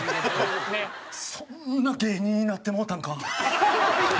そんな芸人になってもうたんか。